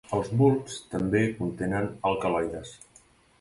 Els bulbs també contenen alcaloides.